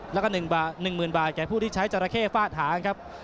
แล้วก็๑๐๐๐บาทแก่ผู้ที่ใช้จราเข้ฟาดหางครับ